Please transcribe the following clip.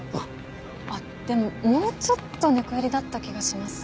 あっでももうちょっと猫寄りだった気がします。